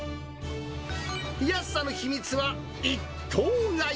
安さの秘密は一頭買い。